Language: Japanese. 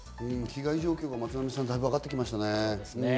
被害状況が松並さん、だいぶ分かってきましたね。